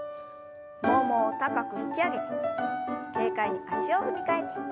ももを高く引き上げて軽快に足を踏み替えて。